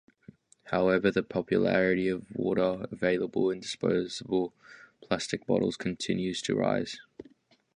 However, the popularity of water available in disposable plastic bottles continues to rise.